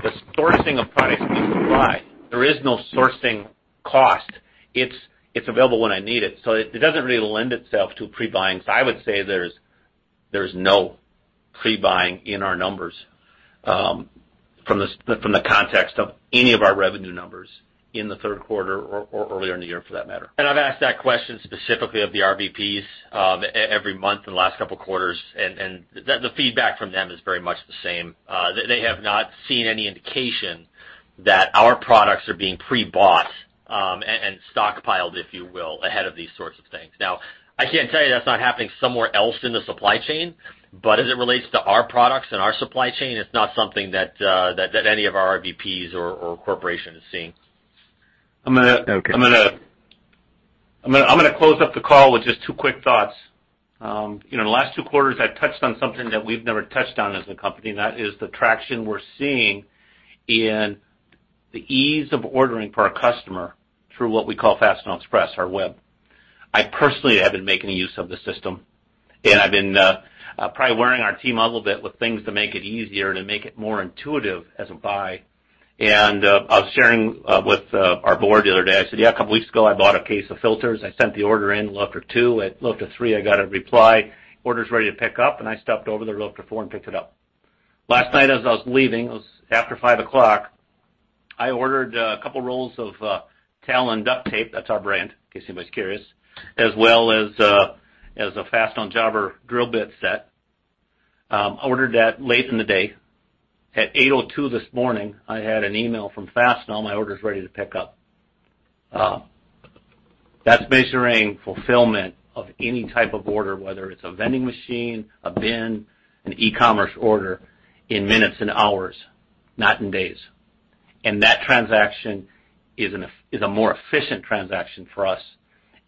the sourcing of products we supply. There is no sourcing cost. It's available when I need it doesn't really lend itself to pre-buying. I would say there's no pre-buying in our numbers, from the context of any of our revenue numbers in the third quarter or earlier in the year for that matter. I've asked that question specifically of the RVPs, every month in the last couple of quarters, and the feedback from them is very much the same. They have not seen any indication that our products are being pre-bought, and stockpiled, if you will, ahead of these sorts of things. I can't tell you that's not happening somewhere else in the supply chain, as it relates to our products and our supply chain, it's not something that any of our RVPs or corporation is seeing. Okay. I'm going to close up the call with just two quick thoughts. In the last two quarters, I've touched on something that we've never touched on as a company, that is the traction we're seeing in the ease of ordering for our customer through what we call Fastenal Express, our web. I personally have been making use of the system, I've been probably wearing our team a little bit with things to make it easier and to make it more intuitive as a buy. I was sharing with our board the other day. I said, "Yeah, a couple of weeks ago, I bought a case of filters. I sent the order in, little after 2:00. At little to 3:00, I got a reply, order's ready to pick up, and I stepped over there a little after 4:00 and picked it up. Last night as I was leaving, it was after 5:00, I ordered a couple rolls of Talon Duct Tape. That's our brand in case anybody's curious, as well as a Fastenal Jobber Drill Set. I ordered that late in the day. At 8:02 this morning, I had an email from Fastenal, my order's ready to pick up. That's measuring fulfillment of any type of order, whether it's a vending machine, a bin, an e-commerce order, in minutes and hours, not in days. That transaction is a more efficient transaction for us,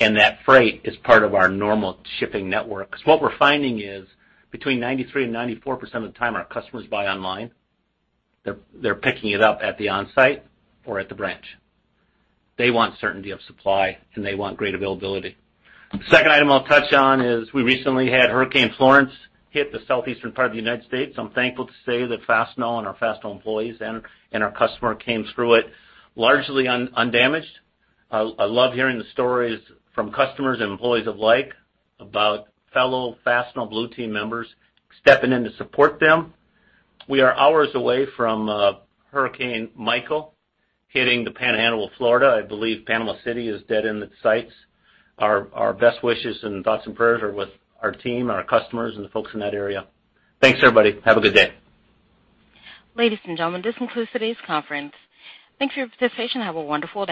and that freight is part of our normal shipping network. What we're finding is between 93% and 94% of the time our customers buy online, they're picking it up at the onsite or at the branch. They want certainty of supply, and they want great availability. Second item I'll touch on is we recently had Hurricane Florence hit the southeastern part of the U.S. I'm thankful to say that Fastenal and our Fastenal employees and our customer came through it largely undamaged. I love hearing the stories from customers and employees alike about fellow Fastenal Blue team members stepping in to support them. We are hours away from Hurricane Michael hitting the Panhandle of Florida. I believe Panama City is dead in its sights. Our best wishes and thoughts and prayers are with our team, our customers, and the folks in that area. Thanks, everybody. Have a good day. Ladies and gentlemen, this concludes today's conference. Thanks for your participation. Have a wonderful day.